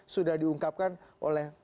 sudah diungkapkan oleh